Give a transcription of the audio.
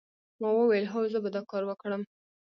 ما وویل هو زه به دا کار وکړم